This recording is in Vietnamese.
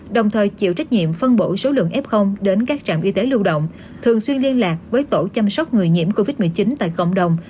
đồng thời chịu trách nhiệm phân bổ số lượng f đến các trạm y tế lưu động thường xuyên liên lạc với tổ chăm sóc người nhiễm covid một mươi chín tại cộng đồng